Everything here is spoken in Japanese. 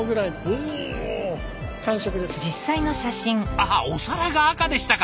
ああお皿が赤でしたか！